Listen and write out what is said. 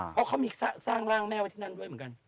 เพราะเขามีสร้างร่างแม่ไว้ที่นั่นด้วยเหมือนกัน